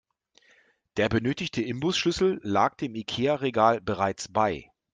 Der benötigte Imbusschlüssel lag dem Ikea-Regal bereits bei.